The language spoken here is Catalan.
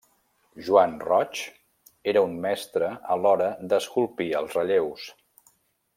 Joan Roig, era un mestre a l'hora d'esculpir els relleus.